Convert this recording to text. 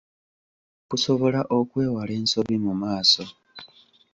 Okusobola okwewala ensobi mu maaso.